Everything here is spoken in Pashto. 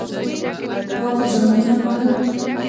پاکې جامې اغوندم